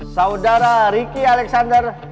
saudara riki alexander